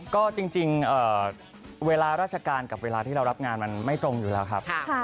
ก็จริงเวลาราชการกับเวลาที่เรารับงานมันไม่ตรงอยู่แล้วครับ